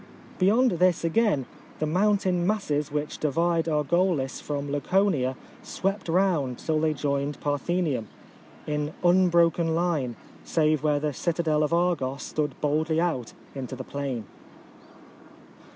Beyond this again the mountain masses which divide Argolis from Laconia swept round till they joined Parthenium, in unbroken line save where the citadel of Argos stood boldly out into the plain.